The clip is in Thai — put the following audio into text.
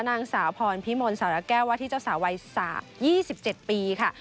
นางสาวพรพิมลสารแก้วว่าที่เจ้าสาววัย๒๗ปีค่ะ